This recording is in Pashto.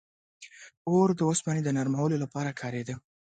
• اور د اوسپنې د نرمولو لپاره کارېده.